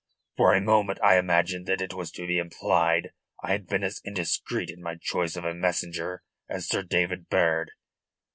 "For a moment I imagined that it was to be implied I had been as indiscreet in my choice of a messenger as Sir David Baird."